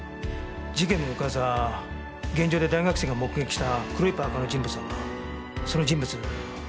事件の翌朝現場で大学生が目撃した黒いパーカーの人物だがその人物もしかしたら。